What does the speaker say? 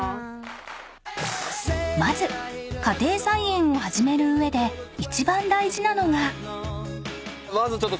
［まず家庭菜園を始める上で一番大事なのが］